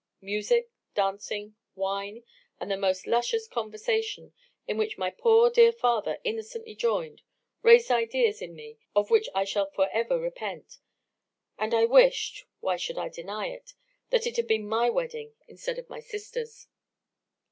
Music, dancing, wine, and the most luscious conversation, in which my poor dear father innocently joined, raised ideas in me of which I shall for ever repent; and I wished (why should I deny it?) that it had been my wedding instead of my sister's.